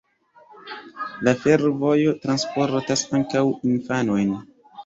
La fervojo transportas ankaŭ infanojn.